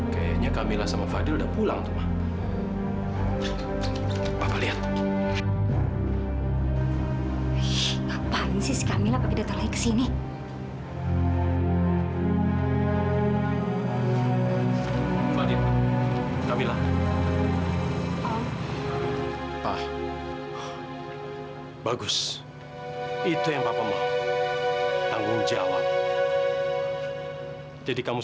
kepercayaan kamu sangat berarti buat aku